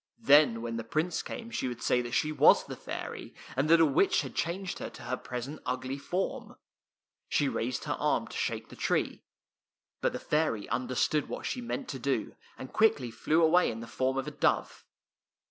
Then when the Prince came she would say that she was the fairy, and that a witch had changed her to her present ugly form. She raised her arm to shake the tree, but the fairy understood what she meant to do, and quickly flew away in the form of a dove.